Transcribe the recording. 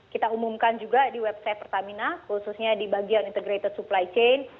kita umumkan juga di website pertamina khususnya di bagian integrated supply chain